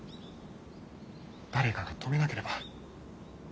誰かが止めなければ。